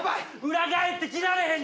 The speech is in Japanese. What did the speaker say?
裏返って着られへん！